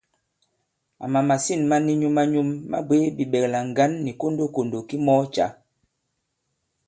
Àma màsîn ma ni nyum-a-nyum ma bwě bìɓɛ̀klà ŋgǎn nì kondokòndò ki mɔɔ cǎ.